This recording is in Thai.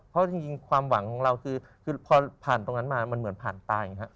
เพราะจริงความหวังของเราคือพอผ่านตรงนั้นมามันเหมือนผ่านตายอย่างนี้